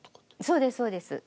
そうですそうです。